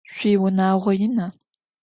Şüiunağo yina?